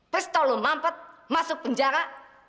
pistol lo mampet masuk penjara